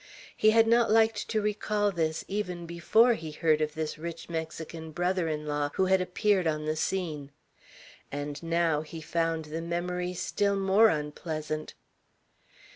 He had not liked to recall this, even before he heard of this rich Mexican brother in law who had appeared on the scene; and now, he found the memories still more unpleasant.